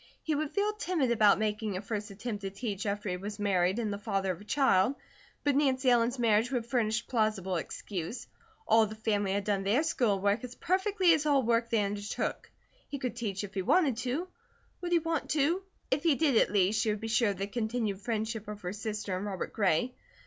He would feel timid about making a first attempt to teach after he was married and a father of a child, but Nancy Ellen's marriage would furnish plausible excuse; all of the family had done their school work as perfectly as all work they undertook; he could teach if he wanted to; would he want to? If he did, at least, she would be sure of the continued friendship of her sister and Robert Gray.